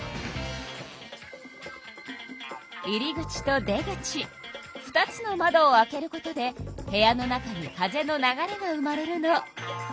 入り口と出口２つの窓を開けることで部屋の中に風の流れが生まれるの。